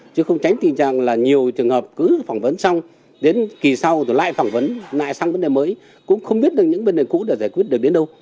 chứ không tránh tình trạng là nhiều trường hợp cứ phỏng vấn xong đến kỳ sau rồi lại phỏng vấn lại sang vấn đề mới cũng không biết được những vấn đề cũ để giải quyết được đến đâu